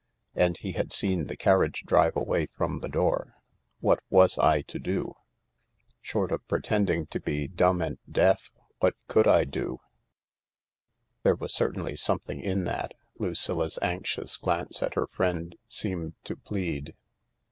And he had seen the carriage drive away from the door I What was I to do ? Short of pretending to be dumb andfdeaf, what could I do ?" wmfct There was certainly something in that, Lucilla's anxious glance at her friend seemed to plead.